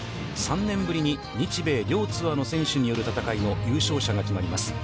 ３年ぶりに日米両ツアーの選手に戦いの優勝者が決まります。